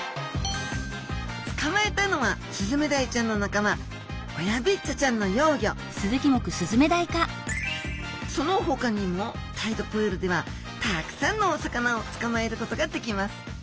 つかまえたのはスズメダイちゃんの仲間オヤビッチャちゃんの幼魚そのほかにもタイドプールではたくさんのお魚をつかまえることができます。